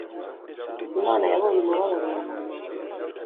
imana yabonye umubabaro wanjye